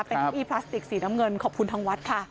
เป็นเก้าอี้พลาสติกสีน้ำเงินขอบคุณทางวัดค่ะ